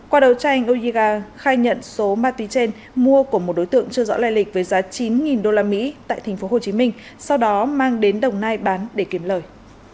qua đầu tranh ojiga khai nhận số ma túy trên mua của một đối tượng chưa rõ lây lịch với giá chín usd tại tp hcm sau đó mang đến đồng nai bán để kiếm lời